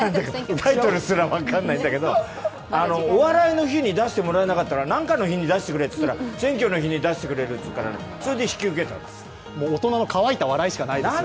タイトルすら分かんないんだけどお笑いの日に出してもらえなかっから何かの日に出してくれって言ったら、選挙に日に出してくれるっていうから大人のかわいた笑いしかないですよ。